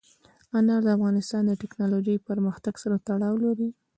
انار د افغانستان د تکنالوژۍ پرمختګ سره تړاو لري.